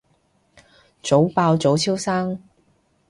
早爆早超生